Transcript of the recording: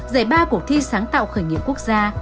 giải ba cuộc thi sáng tạo khởi nghiệp quốc gia